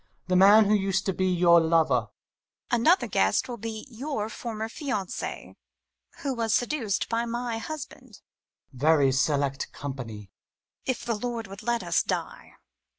... The man who used to be — your lover ! MxTMMY. Another guest will be your former fianc^» who was seduced by my husband Hummel. Very select company ! MuMMT. If the Lord would let us die!